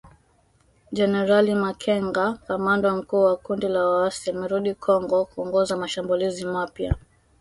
Generali Makenga, kamanda mkuu wa kundi la waasi amerudi Kongo kuongoza mashambulizi mapya